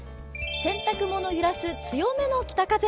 洗濯物を揺らす強めの北風。